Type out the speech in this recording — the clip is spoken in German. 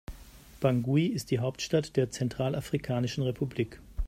Bangui ist die Hauptstadt der Zentralafrikanischen Republik.